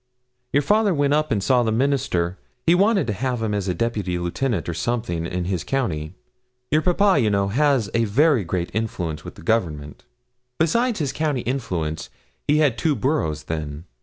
Your father went up and saw the Minister. He wanted to have him a Deputy Lieutenant, or something, in his county. Your papa, you know, had a very great influence with the Government. Beside his county influence, he had two boroughs then.